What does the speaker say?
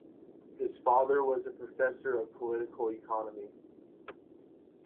His father was a professor of political economy.